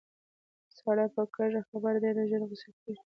ساره په کږه خبره ډېره زر غوسه کېږي.